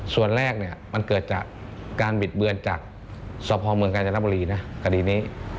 ส่วนแรกเนี่ยมันเกิดจากการบิดเบือนจากสพเมืองกาญจนบุรีนะคดีนี้